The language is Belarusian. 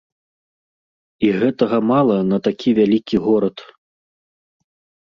І гэтага мала на такі вялікі горад.